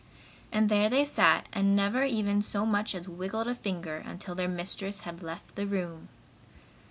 And there they sat and never even so much as wiggled a finger, until their mistress had left the room.